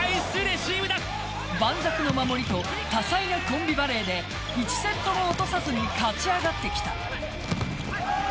盤石の守りと多彩なコンビバレーで１セットも落とさずに勝ち上がってきた。